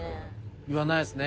言わないですね。